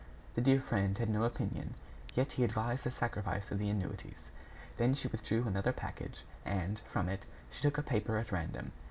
The dear friend had no opinion; yet he advised the sacrifice of the annuities. Then she withdrew another package and, from it, she took a paper at random.